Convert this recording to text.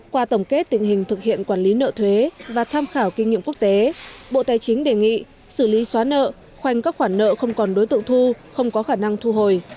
qua tổng kết tình hình thực hiện quản lý nợ thuế và tham khảo kinh nghiệm quốc tế bộ tài chính đề nghị xử lý xóa nợ khoanh các khoản nợ không còn đối tượng thu không có khả năng thu hồi